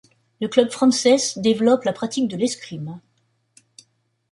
Le Club Francés développe la pratique de l'escrime.